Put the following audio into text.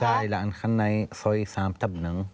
ใช่แล้วอันข้างในซอย๓ทั้งหนึ่ง